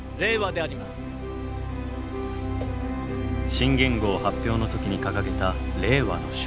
新元号発表の時に掲げた「令和」の書。